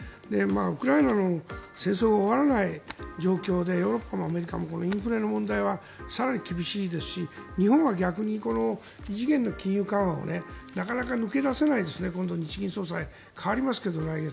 ウクライナの戦争が終わらない状況でヨーロッパもアメリカもこのインフレの問題は更に厳しいですし日本は逆に異次元の金融緩和をなかなか抜け出せないですね今度、日銀総裁が代わりますけど、来月。